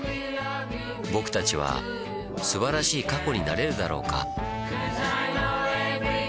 ぼくたちは素晴らしい過去になれるだろうか